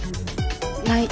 ない。